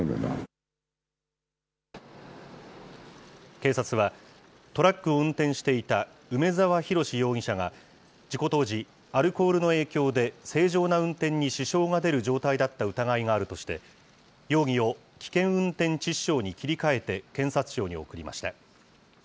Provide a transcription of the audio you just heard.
警察は、トラックを運転していた梅澤洋容疑者が、事故当時、アルコールの影響で正常な運転に支障が出る状態だった疑いがあるとして、容疑を危険運転致死傷に切り替えて検察庁に送りました。